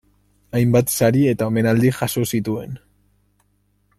Hainbat sari eta omenaldi jaso zituen.